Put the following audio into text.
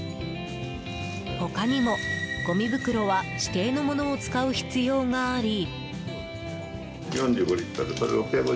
他にもごみ袋は指定のものを使う必要があり。